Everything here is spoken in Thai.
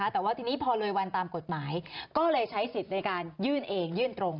แต่ว่าทีนี้พอเลยวันตามกฎหมายก็เลยใช้สิทธิ์ในการยื่นเองยื่นตรง